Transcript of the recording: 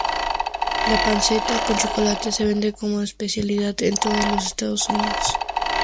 La panceta con chocolate se vende como especialidad en todos los Estados Unidos.